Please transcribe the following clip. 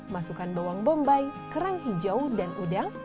masukkan bawang bombay kerang hijau dan udang